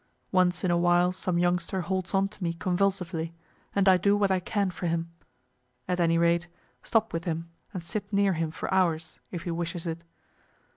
Once in a while some youngster holds on to me convulsively, and I do what I can for him; at any rate, stop with him and sit near him for hours, if he wishes it.